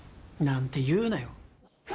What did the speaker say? なんて言うなよ。